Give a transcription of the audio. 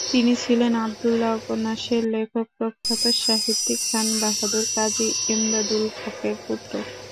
তিনি ছিলেন ‘আবদুল্লাহ’ উপন্যাসের লেখক প্রখ্যাত সাহিত্যিক খান বাহাদুর কাজী ইমদাদুল হকের পুত্র।